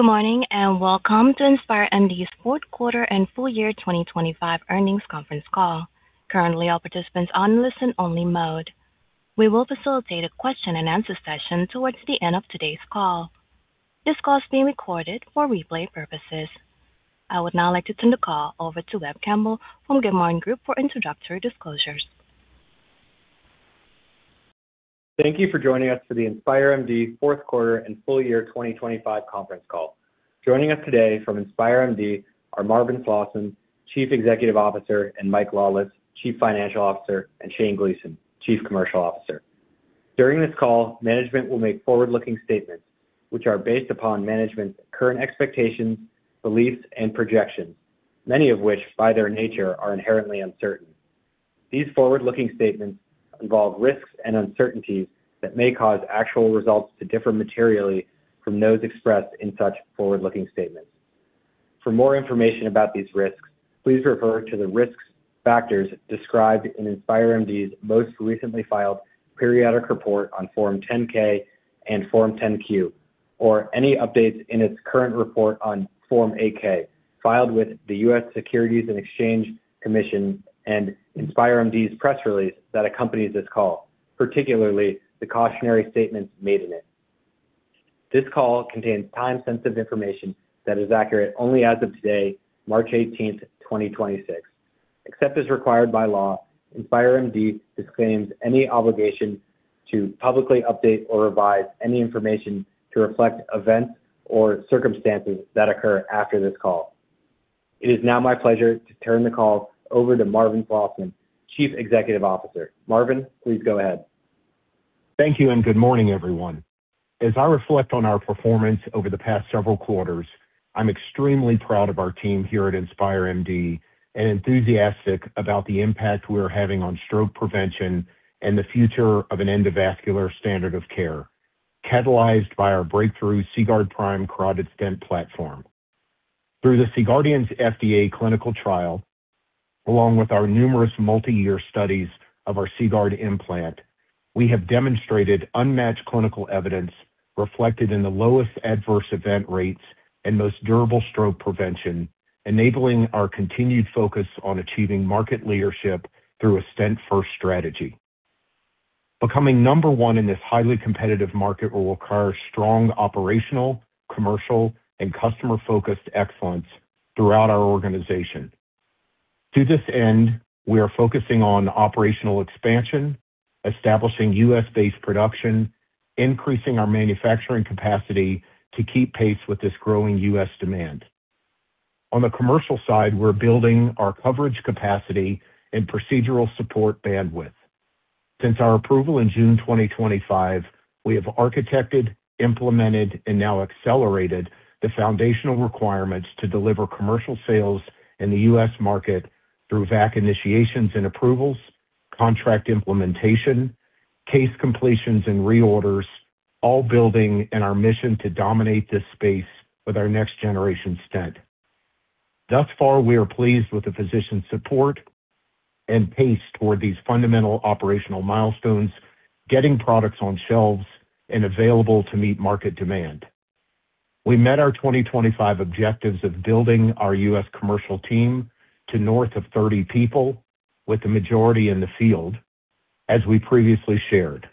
Good morning, and welcome to InspireMD's fourth quarter and full year 2025 earnings conference call. Currently, all participants on listen-only mode. We will facilitate a question and answer session towards the end of today's call. This call is being recorded for replay purposes. I would now like to turn the call over to Webb Campbell from Gilmartin Group for introductory disclosures Thank you for joining us for the InspireMD fourth quarter and full year 2025 conference call. Joining us today from InspireMD are Marvin Slosman, Chief Executive Officer, and Michael Lawless, Chief Financial Officer, and Shane Gleason, Chief Commercial Officer. During this call, management will make forward-looking statements which are based upon management's current expectations, beliefs, and projections, many of which, by their nature, are inherently uncertain. These forward-looking statements involve risks and uncertainties that may cause actual results to differ materially from those expressed in such forward-looking statements. For more information about these risks, please refer to the risk factors described in InspireMD's most recently filed periodic report on Form 10-K and Form 10-Q or any updates in its current report on Form 8-K filed with the U.S. Securities and Exchange Commission and InspireMD's press release that accompanies this call, particularly the cautionary statements made in it. This call contains time-sensitive information that is accurate only as of today, March 18, 2026. Except as required by law, InspireMD disclaims any obligation to publicly update or revise any information to reflect events or circumstances that occur after this call. It is now my pleasure to turn the call over to Marvin Slosman, Chief Executive Officer. Marvin, please go ahead. Thank you, and good morning, everyone. As I reflect on our performance over the past several quarters, I'm extremely proud of our team here at InspireMD and enthusiastic about the impact we're having on stroke prevention and the future of an endovascular standard of care, catalyzed by our breakthrough CGuard Prime carotid stent platform. Through the C-GUARDIANS FDA clinical trial, along with our numerous multiyear studies of our CGuard implant, we have demonstrated unmatched clinical evidence reflected in the lowest adverse event rates and most durable stroke prevention, enabling our continued focus on achieving market leadership through a stent-first strategy. Becoming number one in this highly competitive market will require strong operational, commercial, and customer-focused excellence throughout our organization. To this end, we are focusing on operational expansion, establishing U.S.-based production, increasing our manufacturing capacity to keep pace with this growing U.S. demand. On the commercial side, we're building our coverage capacity and procedural support bandwidth. Since our approval in June 2025, we have architected, implemented, and now accelerated the foundational requirements to deliver commercial sales in the U.S. market through VAC initiations and approvals, contract implementation, case completions and reorders, all building in our mission to dominate this space with our next-generation stent. Thus far, we are pleased with the physician support and pace toward these fundamental operational milestones, getting products on shelves and available to meet market demand. We met our 2025 objectives of building our U.S. commercial team to north of 30 people, with the majority in the field, as we previously shared.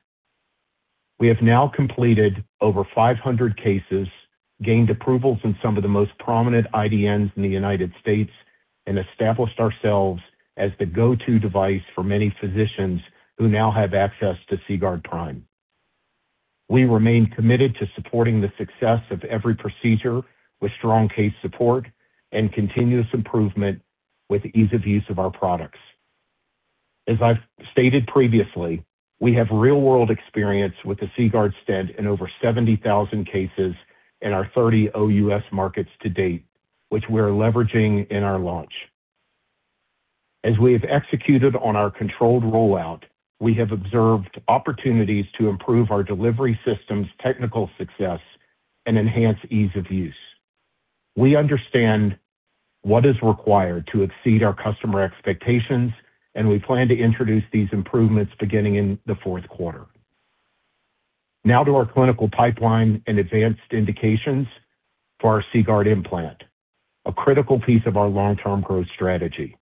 We have now completed over 500 cases, gained approvals in some of the most prominent IDNs in the United States, and established ourselves as the go-to device for many physicians who now have access to CGuard Prime. We remain committed to supporting the success of every procedure with strong case support and continuous improvement with ease of use of our products. As I've stated previously, we have real-world experience with the CGuard stent in over 70,000 cases in our 30 OUS markets to date, which we are leveraging in our launch. As we have executed on our controlled rollout, we have observed opportunities to improve our delivery system's technical success and enhance ease of use. We understand what is required to exceed our customer expectations, and we plan to introduce these improvements beginning in the fourth quarter. Now to our clinical pipeline and advanced indications for our CGuard, a critical piece of our long-term growth strategy.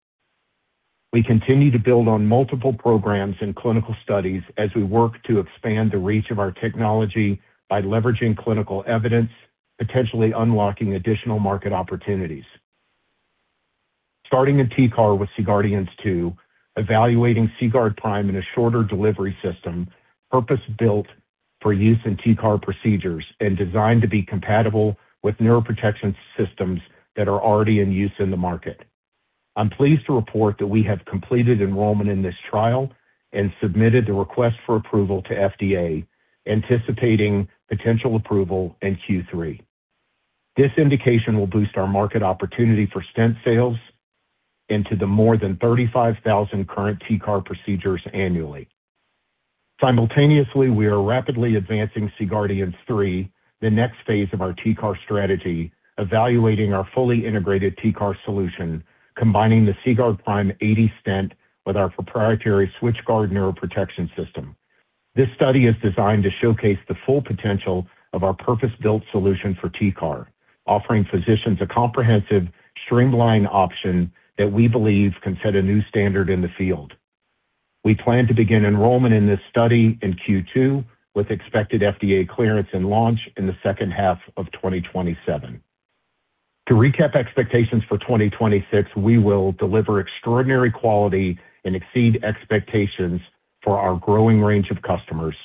We continue to build on multiple programs and clinical studies as we work to expand the reach of our technology by leveraging clinical evidence, potentially unlocking additional market opportunities. Starting in TCAR with C-GUARDIANS two, evaluating CGuard Prime in a shorter delivery system, purpose-built for use in TCAR procedures and designed to be compatible with neuroprotection systems that are already in use in the market. I'm pleased to report that we have completed enrollment in this trial and submitted the request for approval to FDA, anticipating potential approval in Q3. This indication will boost our market opportunity for stent sales into the more than 35,000 current TCAR procedures annually. Simultaneously, we are rapidly advancing C-GUARDIANS III, the next phase of our TCAR strategy, evaluating our fully integrated TCAR solution, combining the CGuard Prime 80 stent with our proprietary SwitchGuard neuroprotection system. This study is designed to showcase the full potential of our purpose-built solution for TCAR, offering physicians a comprehensive streamlined option that we believe can set a new standard in the field. We plan to begin enrollment in this study in Q2, with expected FDA clearance and launch in the second half of 2027. To recap expectations for 2026, we will deliver extraordinary quality and exceed expectations for our growing range of customers.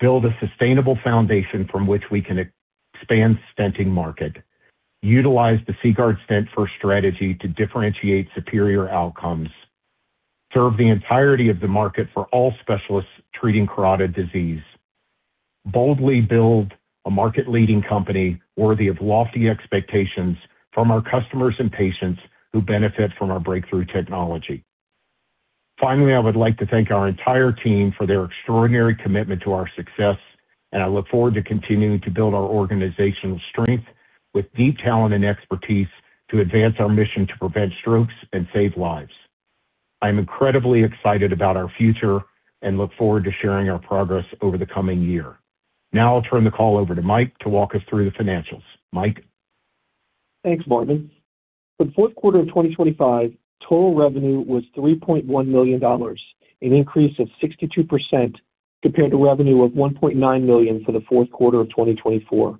Build a sustainable foundation from which we can expand stenting market. Utilize the CGuard stent first strategy to differentiate superior outcomes. Serve the entirety of the market for all specialists treating carotid disease. Boldly build a market-leading company worthy of lofty expectations from our customers and patients who benefit from our breakthrough technology. Finally, I would like to thank our entire team for their extraordinary commitment to our success, and I look forward to continuing to build our organizational strength with deep talent and expertise to advance our mission to prevent strokes and save lives. I am incredibly excited about our future and look forward to sharing our progress over the coming year. Now I'll turn the call over to Mike to walk us through the financials. Mike? Thanks, Marvin. For the fourth quarter of 2025, total revenue was $3.1 million, an increase of 62% compared to revenue of $1.9 million for the fourth quarter of 2024.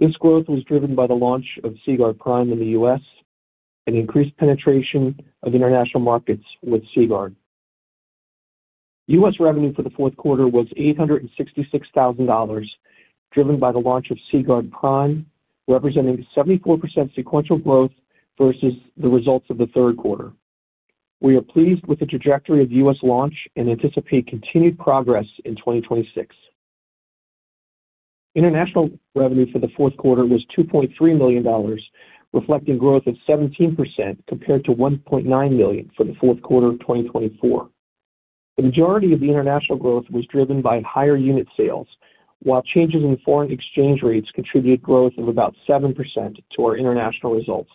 This growth was driven by the launch of CGuard Prime in the U.S. and increased penetration of international markets with CGuard. U.S. revenue for the fourth quarter was $866,000, driven by the launch of CGuard Prime, representing 74% sequential growth versus the results of the third quarter. We are pleased with the trajectory of U.S. launch and anticipate continued progress in 2026. International revenue for the fourth quarter was $2.3 million, reflecting growth of 17% compared to $1.9 million for the fourth quarter of 2024. The majority of the international growth was driven by higher unit sales, while changes in foreign exchange rates contributed growth of about 7% to our international results.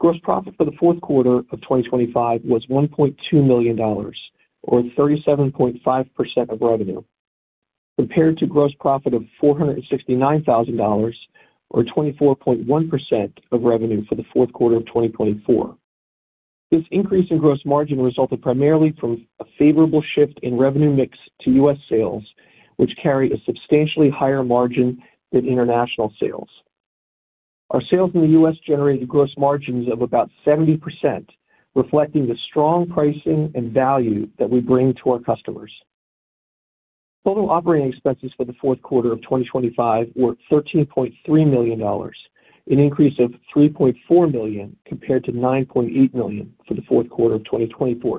Gross profit for the fourth quarter of 2025 was $1.2 million, or 37.5% of revenue, compared to gross profit of $469,000 or 24.1% of revenue for the fourth quarter of 2024. This increase in gross margin resulted primarily from a favorable shift in revenue mix to U.S. sales, which carry a substantially higher margin than international sales. Our sales in the U.S. generated gross margins of about 70%, reflecting the strong pricing and value that we bring to our customers. Total operating expenses for the fourth quarter of 2025 were $13.3 million, an increase of $3.4 million compared to $9.8 million for the fourth quarter of 2024.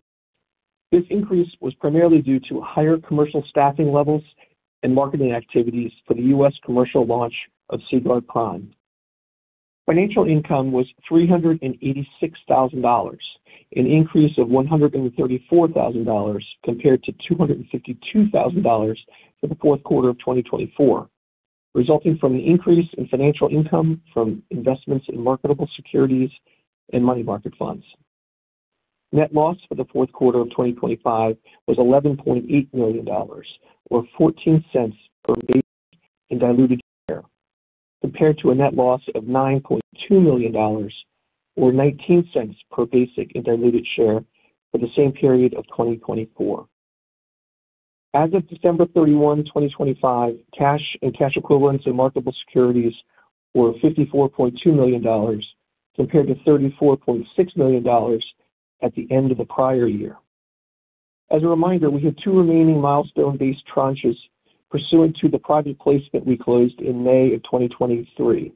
This increase was primarily due to higher commercial staffing levels and marketing activities for the U.S. commercial launch of CGuard Prime. Financial income was $386,000, an increase of $134,000 compared to $252,000 for the fourth quarter of 2024, resulting from the increase in financial income from investments in marketable securities and money market funds. Net loss for the fourth quarter of 2025 was $11.8 million, or $0.14 per basic and diluted share, compared to a net loss of $9.2 million or $0.19 per basic and diluted share for the same period of 2024. As of December 31, 2025, cash and cash equivalents and marketable securities were $54.2 million compared to $34.6 million at the end of the prior year. As a reminder, we have two remaining milestone-based tranches pursuant to the private placement we closed in May 2023.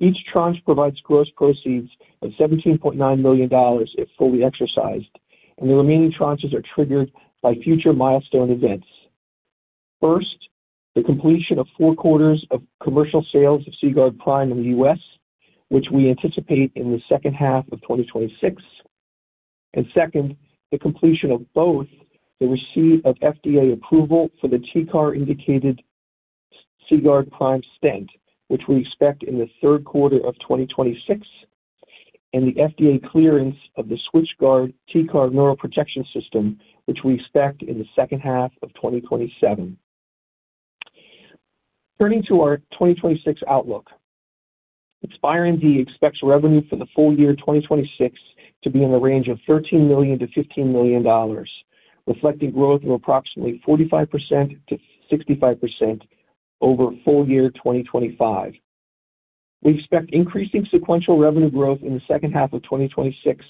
Each tranche provides gross proceeds of $17.9 million if fully exercised, and the remaining tranches are triggered by future milestone events. First, the completion of four quarters of commercial sales of CGuard Prime in the U.S., which we anticipate in the second half of 2026. Second, the completion of both the receipt of FDA approval for the TCAR-indicated CGuard Prime stent, which we expect in the third quarter of 2026, and the FDA clearance of the SwitchGuard TCAR Neuroprotection system, which we expect in the second half of 2027. Turning to our 2026 outlook. InspireMD expects revenue for the full year 2026 to be in the range of $13 million-$15 million, reflecting growth of approximately 45%-65% over full year 2025. We expect increasing sequential revenue growth in the second half of 2026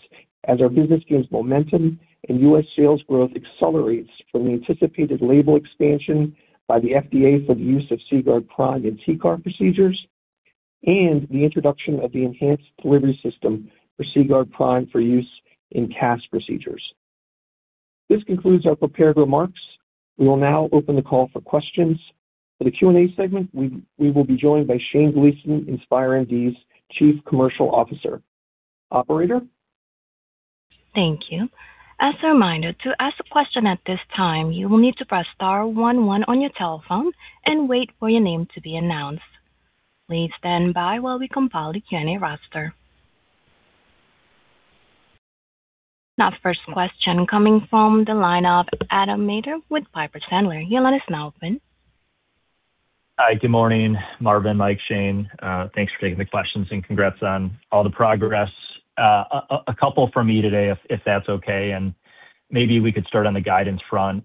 as our business gains momentum and U.S. sales growth accelerates from the anticipated label expansion by the FDA for the use of CGuard Prime in TCAR procedures and the introduction of the enhanced delivery system for CGuard Prime for use in CAS procedures. This concludes our prepared remarks. We will now open the call for questions. For the Q&A segment, we will be joined by Shane Gleason, InspireMD's Chief Commercial Officer. Operator? Thank you. As a reminder, to ask a question at this time, you will need to press star one one on your telephone and wait for your name to be announced. Please stand by while we compile the Q&A roster. Now first question coming from the line of Adam Maeder with Piper Sandler. You let us know, Adam. Hi, good morning, Marvin, Mike, Shane. Thanks for taking the questions and congrats on all the progress. A couple for me today, if that's okay, and maybe we could start on the guidance front.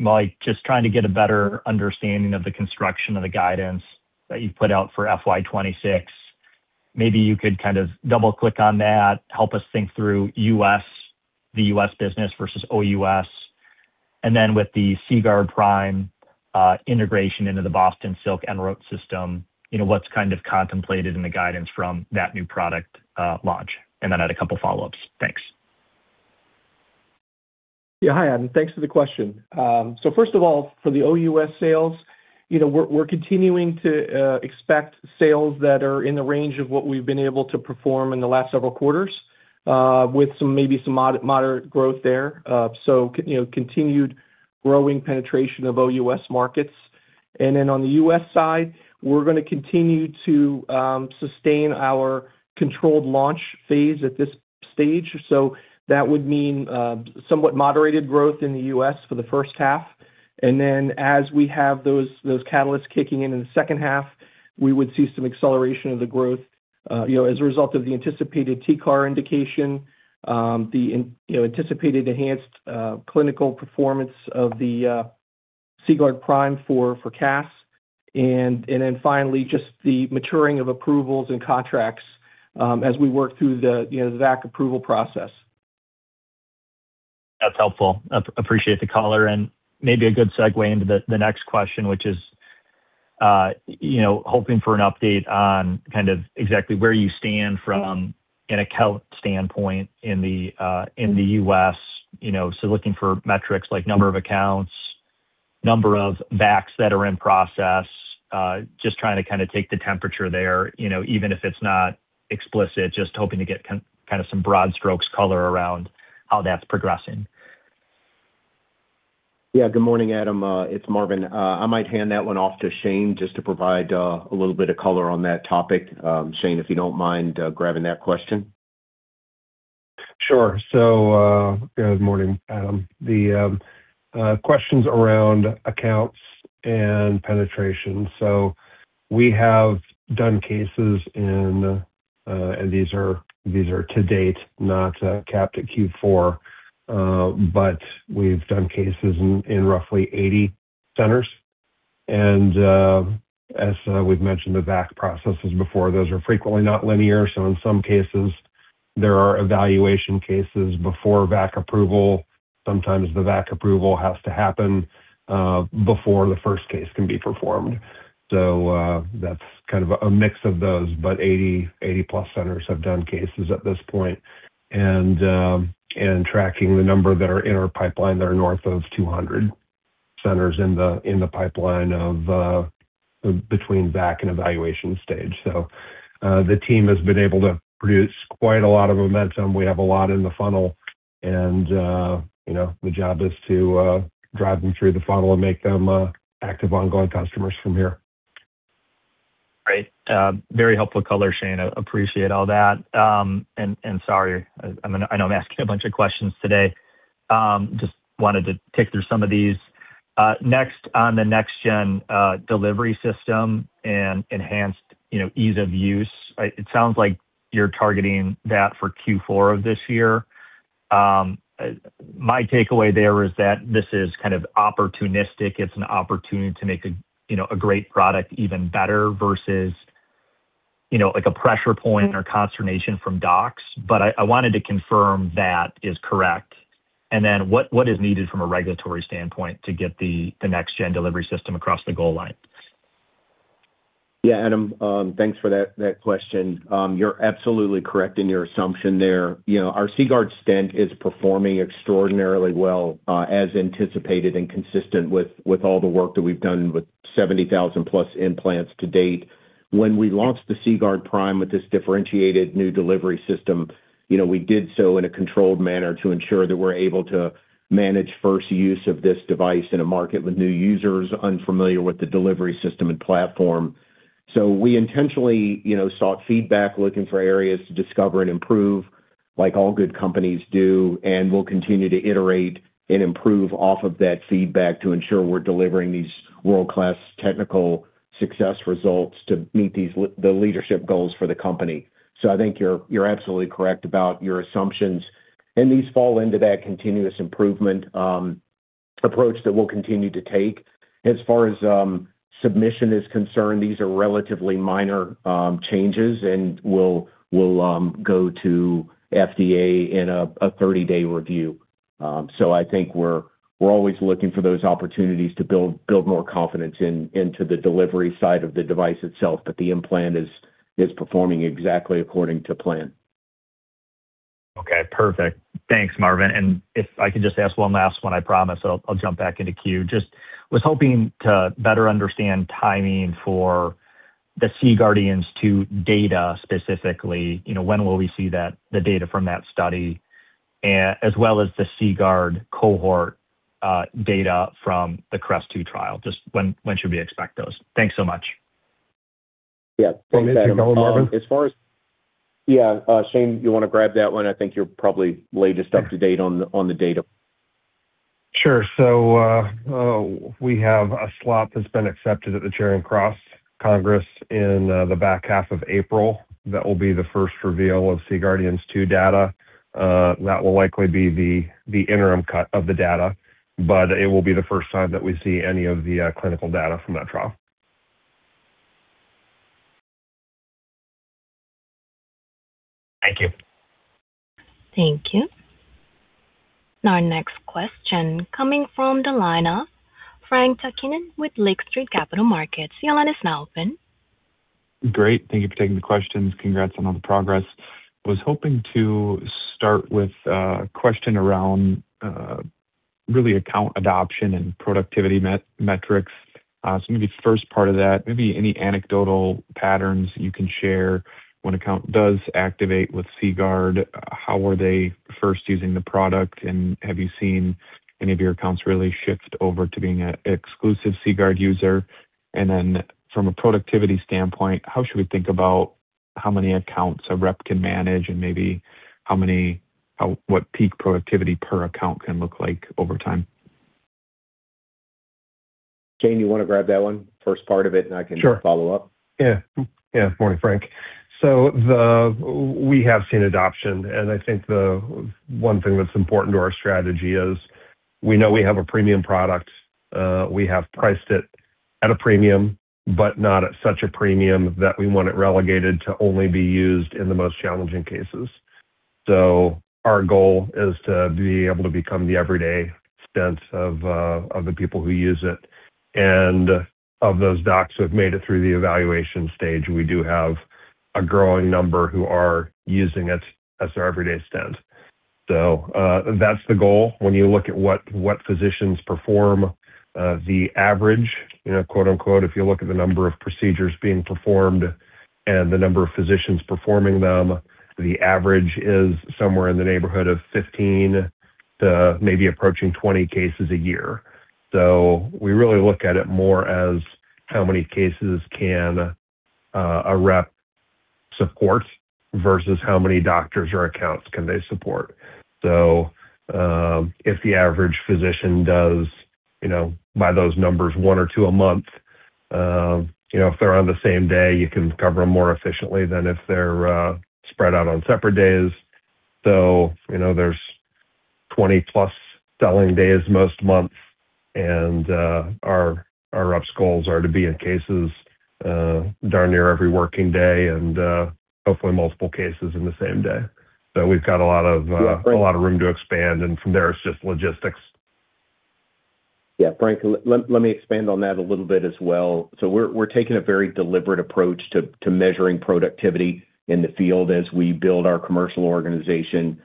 Mike, just trying to get a better understanding of the construction of the guidance that you've put out for FY 2026. Maybe you could kind of double-click on that, help us think through U.S., the U.S. business versus OUS. Then with the CGuard Prime integration into the Boston Scientific ENROUTE system, you know, what's kind of contemplated in the guidance from that new product launch? Then I had a couple follow-ups. Thanks. Yeah. Hi, Adam. Thanks for the question. First of all, for the OUS sales, you know, we're continuing to expect sales that are in the range of what we've been able to perform in the last several quarters, with some maybe moderate growth there. You know, continued growing penetration of OUS markets. Then on the U.S. side, we're gonna continue to sustain our controlled launch phase at this stage. That would mean somewhat moderated growth in the U.S. for the first half. As we have those catalysts kicking in in the second half, we would see some acceleration of the growth, as a result of the anticipated TCAR indication, the anticipated enhanced clinical performance of the CGuard Prime for CAS, and then finally just the maturing of approvals and contracts, as we work through the VAC approval process. That's helpful. Appreciate the color and maybe a good segue into the next question, which is, you know, hoping for an update on kind of exactly where you stand from an account standpoint in the, in the U.S., you know. Looking for metrics like number of accounts, number of VACs that are in process. Just trying to kind of take the temperature there, you know, even if it's not explicit, just hoping to get kind of some broad strokes color around how that's progressing. Yeah. Good morning, Adam. It's Marvin. I might hand that one off to Shane just to provide a little bit of color on that topic. Shane, if you don't mind, grabbing that question. Sure. Good morning, Adam. The questions around accounts and penetration. We have done cases in and these are to date not capped at Q4, but we've done cases in roughly 80 centers. As we've mentioned the VAC processes before, those are frequently not linear. In some cases there are evaluation cases before VAC approval. Sometimes the VAC approval has to happen before the first case can be performed. That's kind of a mix of those. But 80-plus centers have done cases at this point. And tracking the number that are in our pipeline, there are north of 200 centers in the pipeline of between VAC and evaluation stage. The team has been able to produce quite a lot of momentum. We have a lot in the funnel and, you know, the job is to drive them through the funnel and make them active ongoing customers from here. Great. Very helpful color, Shane. I appreciate all that. Sorry, I know I'm asking a bunch of questions today. Just wanted to tick through some of these. Next on the next gen delivery system and enhanced, you know, ease of use. It sounds like you're targeting that for Q4 of this year. My takeaway there is that this is kind of opportunistic. It's an opportunity to make a, you know, a great product even better versus, you know, like a pressure point or consternation from docs. But I wanted to confirm that is correct. Then what is needed from a regulatory standpoint to get the next gen delivery system across the goal line? Yeah, Adam. Thanks for that question. You're absolutely correct in your assumption there. You know, our CGuard stent is performing extraordinarily well, as anticipated and consistent with all the work that we've done with 70,000+ implants to date. When we launched the CGuard Prime with this differentiated new delivery system, you know, we did so in a controlled manner to ensure that we're able to manage first use of this device in a market with new users unfamiliar with the delivery system and platform. We intentionally sought feedback, looking for areas to discover and improve like all good companies do, and we'll continue to iterate and improve off of that feedback to ensure we're delivering these world-class technical success results to meet the leadership goals for the company. I think you're absolutely correct about your assumptions. These fall into that continuous improvement approach that we'll continue to take. As far as submission is concerned, these are relatively minor changes and will go to FDA in a 30-day review. I think we're always looking for those opportunities to build more confidence into the delivery side of the device itself, but the implant is performing exactly according to plan. Okay, perfect. Thanks, Marvin. If I could just ask one last one, I promise I'll jump back into queue. Just was hoping to better understand timing for the C-GUARDIANS II data specifically. You know, when will we see that, the data from that study, as well as the CGuard cohort data from the CREST-2 trial? Just when should we expect those? Thanks so much. Yeah. Thanks, Adam. Yeah, Shane, you want to grab that one? I think you're probably latest up to date on the data. Sure. We have a slot that's been accepted at the Charing Cross Symposium in the back half of April. That will be the first reveal of CGUARDIANS II data. That will likely be the interim cut of the data, but it will be the first time that we see any of the clinical data from that trial. Thank you. Thank you. Our next question coming from the line of Frank Takkinen with Lake Street Capital Markets. Your line is now open. Great. Thank you for taking the questions. Congrats on all the progress. Was hoping to start with a question around really account adoption and productivity metrics. So maybe the first part of that, maybe any anecdotal patterns you can share when account does activate with CGuard, how are they first using the product? And have you seen any of your accounts really shift over to being an exclusive CGuard user? And then from a productivity standpoint, how should we think about how many accounts a rep can manage and maybe what peak productivity per account can look like over time? Shane, you wanna grab that one, first part of it, and I can follow up? Morning, Frank. We have seen adoption, and I think the one thing that's important to our strategy is we know we have a premium product. We have priced it at a premium, but not at such a premium that we want it relegated to only be used in the most challenging cases. Our goal is to be able to become the everyday stent of the people who use it. Of those docs who have made it through the evaluation stage, we do have a growing number who are using it as their everyday stent. That's the goal. When you look at what physicians perform, the average, you know, quote, unquote, if you look at the number of procedures being performed and the number of physicians performing them, the average is somewhere in the neighborhood of 15 to maybe approaching 20 cases a year. We really look at it more as how many cases can a rep support versus how many doctors or accounts can they support. If the average physician does, you know, by those numbers, one or two a month, you know, if they're on the same day, you can cover them more efficiently than if they're spread out on separate days. You know, there's 20+ selling days most months, and our reps goals are to be in cases darn near every working day and hopefully multiple cases in the same day. We've got a lot of room to expand, and from there it's just logistics. Yeah. Frank, let me expand on that a little bit as well. We're taking a very deliberate approach to measuring productivity in the field as we build our commercial organization.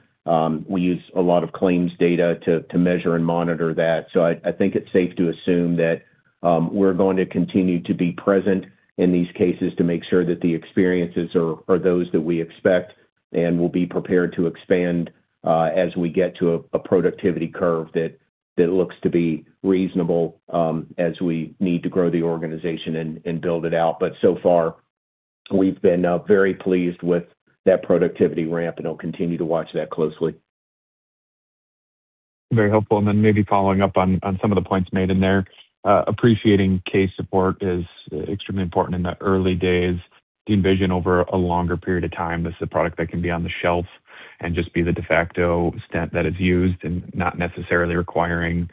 We use a lot of claims data to measure and monitor that. I think it's safe to assume that we're going to continue to be present in these cases to make sure that the experiences are those that we expect, and we'll be prepared to expand as we get to a productivity curve that looks to be reasonable as we need to grow the organization and build it out. So far, we've been very pleased with that productivity ramp, and we'll continue to watch that closely. Very helpful. Maybe following up on some of the points made in there. Appreciating case support is extremely important in the early days. Do you envision over a longer period of time, this is a product that can be on the shelf and just be the de facto stent that is used and not necessarily requiring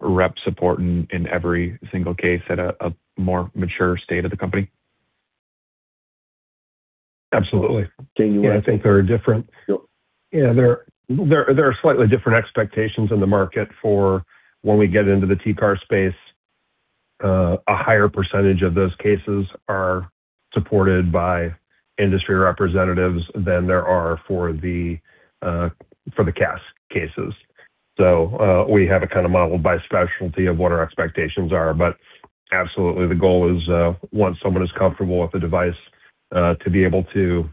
rep support in every single case at a more mature state of the company? Absolutely. Shane, you wanna take- Yeah, I think there are different. Go. Yeah. There are slightly different expectations in the market for when we get into the TCAR space. A higher percentage of those cases are supported by industry representatives than there are for the CAS cases. We have it kinda modeled by specialty of what our expectations are. Absolutely, the goal is, once someone is comfortable with the device, to be able to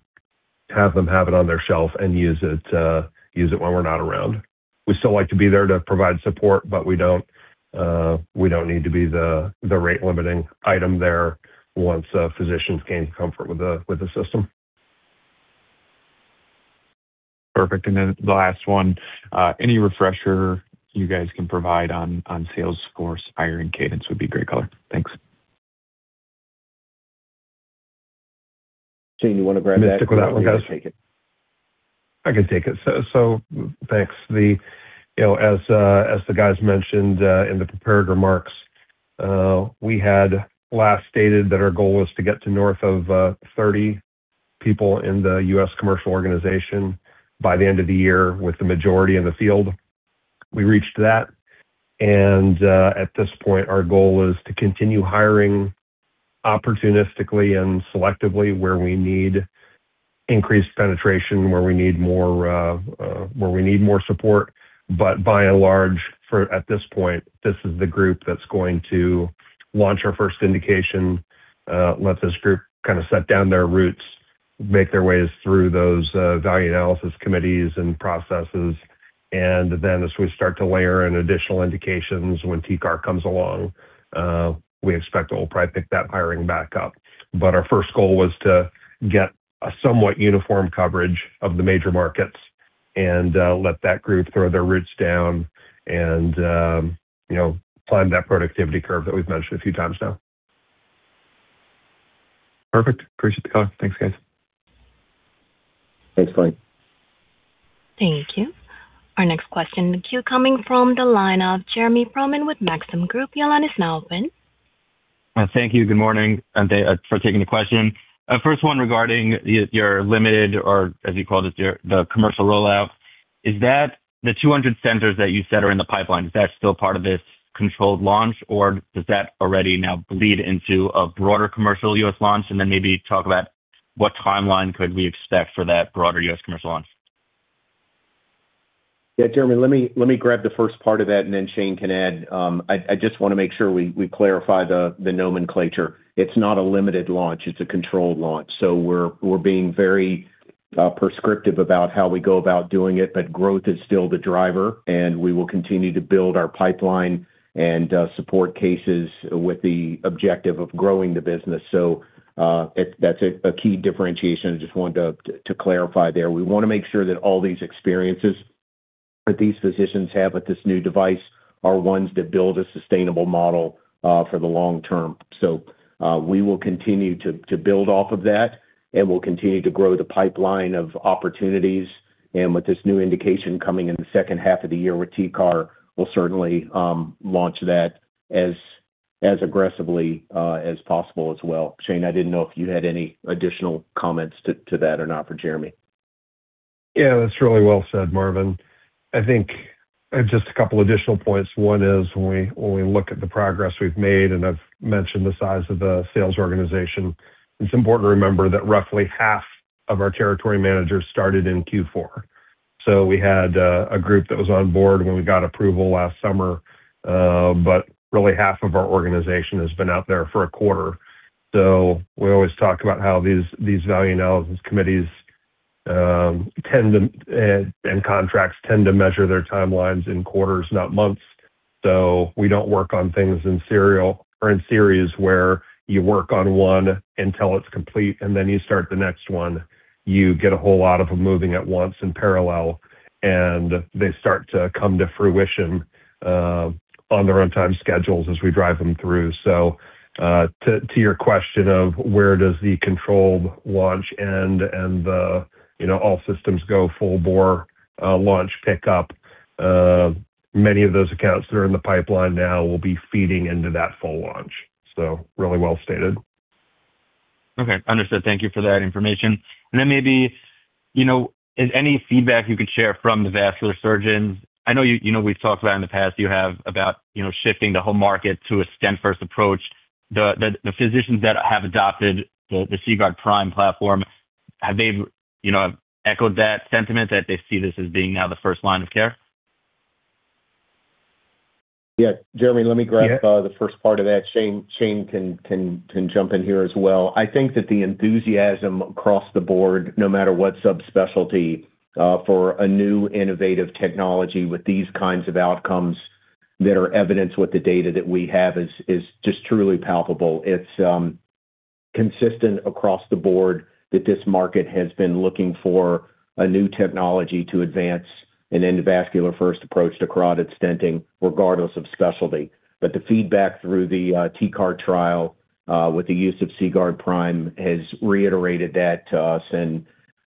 have them have it on their shelf and use it when we're not around. We still like to be there to provide support, but we don't need to be the rate limiting item there once physicians gain comfort with the system. Perfect. The last one, any refresher you guys can provide on sales force hiring cadence would be great color. Thanks. Shane, you wanna grab that? You want me to stick with that one, guys? You want me to take it? I can take it. Thanks. You know, as the guys mentioned in the prepared remarks, we had last stated that our goal was to get to north of 30 people in the U.S. commercial organization by the end of the year with the majority in the field. We reached that. At this point, our goal is to continue hiring opportunistically and selectively where we need increased penetration, where we need more support. By and large, for at this point, this is the group that's going to launch our first indication. Let this group kinda set down their roots Make their ways through those, value analysis committees and processes. Then as we start to layer in additional indications, when TCAR comes along, we expect we'll probably pick that hiring back up. Our first goal was to get a somewhat uniform coverage of the major markets and, let that group throw their roots down and, you know, climb that productivity curve that we've mentioned a few times now. Perfect. Appreciate the call. Thanks, guys. Thanks, Frank Takkinen. Thank you. Our next question in the queue coming from the line of Jeremy Feffer with Maxim Group. Your line is now open. Thank you. Good morning, thank you for taking the question. First one regarding your limited or as you call it, your, the commercial rollout. Is that the 200 centers that you said are in the pipeline, is that still part of this controlled launch or does that already now bleed into a broader commercial U.S. launch? Then maybe talk about what timeline could we expect for that broader U.S. commercial launch. Yeah, Jeremy, let me grab the first part of that and then Shane can add. I just wanna make sure we clarify the nomenclature. It's not a limited launch, it's a controlled launch. We're being very prescriptive about how we go about doing it, but growth is still the driver, and we will continue to build our pipeline and support cases with the objective of growing the business. That's a key differentiation. I just wanted to clarify there. We wanna make sure that all these experiences that these physicians have with this new device are ones that build a sustainable model for the long term. We will continue to build off of that, and we'll continue to grow the pipeline of opportunities. With this new indication coming in the second half of the year with TCAR, we'll certainly launch that as aggressively as possible as well. Shane, I didn't know if you had any additional comments to that or not for Jeremy. Yeah, that's really well said, Marvin. I think I have just a couple additional points. One is when we look at the progress we've made, and I've mentioned the size of the sales organization, it's important to remember that roughly half of our territory managers started in Q4. We had a group that was on board when we got approval last summer. But really half of our organization has been out there for a quarter. We always talk about how these value analysis committees tend to, and contracts tend to measure their timelines in quarters, not months. We don't work on things in serial or in series where you work on one until it's complete and then you start the next one. You get a whole lot of them moving at once in parallel, and they start to come to fruition on their own time schedules as we drive them through. To your question of where does the controlled launch end and the, you know, all systems go full bore launch pickup, many of those accounts that are in the pipeline now will be feeding into that full launch. Really well stated. Okay. Understood. Thank you for that information. Maybe, you know, is any feedback you could share from the vascular surgeons? I know you know, we've talked about in the past, you have about, you know, shifting the whole market to a stent first approach. The physicians that have adopted the CGuard Prime platform, have they, you know, echoed that sentiment that they see this as being now the first line of care? Yeah. Jeremy, let me grab- Yeah. The first part of that. Shane can jump in here as well. I think that the enthusiasm across the board, no matter what subspecialty, for a new innovative technology with these kinds of outcomes that are evidenced with the data that we have is just truly palpable. It's consistent across the board that this market has been looking for a new technology to advance an endovascular first approach to carotid stenting regardless of specialty. The feedback through the TCAR trial with the use of CGuard Prime has reiterated that to us.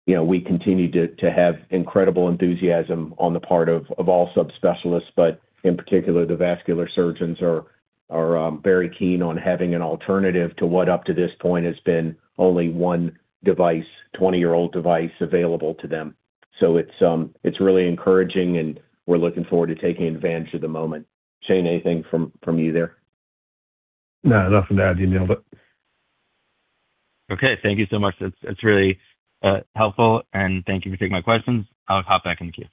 You know, we continue to have incredible enthusiasm on the part of all subspecialists, but in particular, the vascular surgeons are very keen on having an alternative to what up to this point has been only one device, 20-year-old device available to them. It's really encouraging, and we're looking forward to taking advantage of the moment. Shane, anything from you there? No, nothing to add, you nailed it. Okay. Thank you so much. That's really helpful, and thank you for taking my questions. I'll hop back in queue.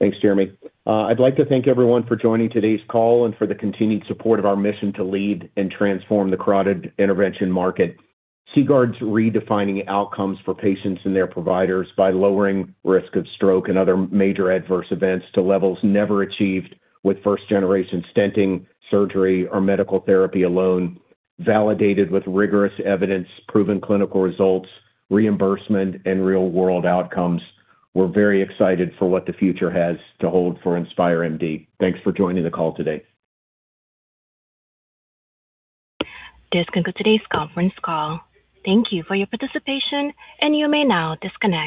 Thanks, Jeremy. I'd like to thank everyone for joining today's call and for the continued support of our mission to lead and transform the carotid intervention market. CGuard's redefining outcomes for patients and their providers by lowering risk of stroke and other major adverse events to levels never achieved with first generation stenting, surgery or medical therapy alone, validated with rigorous evidence, proven clinical results, reimbursement and real world outcomes. We're very excited for what the future has to hold for InspireMD. Thanks for joining the call today. This concludes today's conference call. Thank you for your participation, and you may now disconnect.